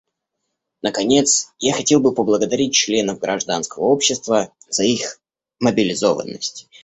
Наконец, я хотел бы поблагодарить членов гражданского общества за их мобилизованность.